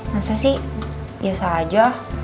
masa sih biasa aja